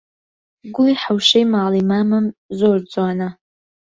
گوڵی حەوشەی ماڵی مامم زۆر جوانە